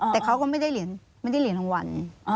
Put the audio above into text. แต่เขาก็ไม่ได้เหรียญไม่ได้เหรียญรางวัล